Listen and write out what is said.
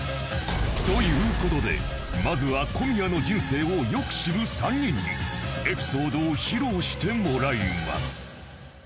という事でまずは小宮の人生をよく知る３人にエピソードを披露してもらいます